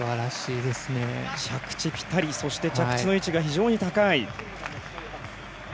着地ぴたりそして着地の位置が非常に高い。